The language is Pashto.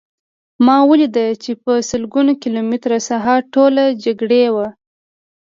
ما ولیدل چې په سلګونه کیلومتره ساحه ټوله جګړې وه